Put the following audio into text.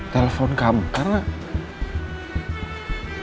telepon kamu karena